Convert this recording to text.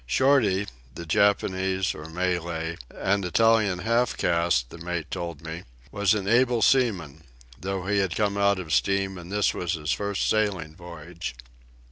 Shorty, the Japanese (or Malay) and Italian half caste, the mate told me, was an able seaman, though he had come out of steam and this was his first sailing voyage.